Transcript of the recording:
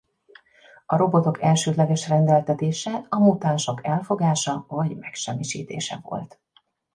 A robotok elsődleges rendeltetése a mutánsok elfogása vagy megsemmisítése volt.